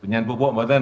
punyai pupuk bapak tuan